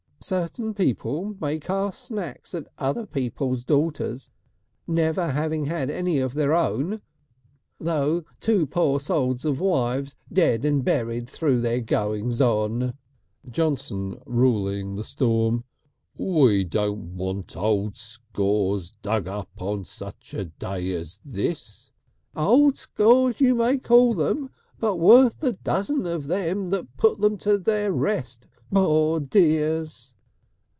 "Certain people may cast snacks at other people's daughters, never having had any of their own, though two poor souls of wives dead and buried through their goings on " Johnson ruling the storm: "We don't want old scores dug up on such a day as this " "Old scores you may call them, but worth a dozen of them that put them to their rest, poor dears."